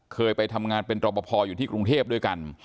เคยไปทำงานเป็นรอปภอยู่ที่กรุงเทพด้วยกัน